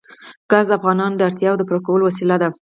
ګاز د افغانانو د اړتیاوو د پوره کولو وسیله ده.